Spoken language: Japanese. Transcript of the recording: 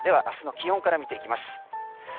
明日の気温から見ていきます。